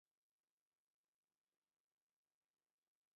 Etxean jokatu dituen azken partida biak irabazi egin ditu.